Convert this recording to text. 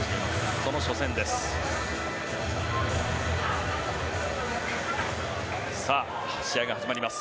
その初戦です。